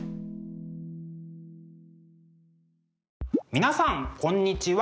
皆さんこんにちは。